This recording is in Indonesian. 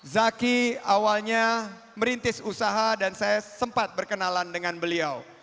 zaki awalnya merintis usaha dan saya sempat berkenalan dengan beliau